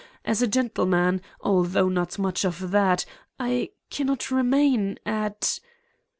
As a gentleman, although not much of that, I ... cannot remain ... at